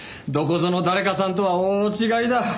どこぞの誰かさんとは大違いだ。